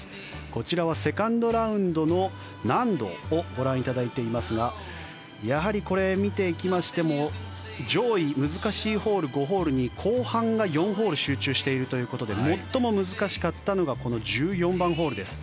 こちらはセカンドラウンドの難度をご覧いただいていますがやはりこれを見ていきましても上位、難しいホール５ホールに後半が４ホール集中しているということで最も難しかったのがこの１４番ホールです。